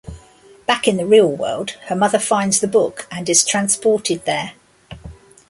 Back in the real world her mother finds the book and is transported there.